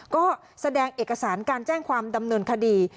ก็แสดงเอกสารการแจ้งความดำเนินคดี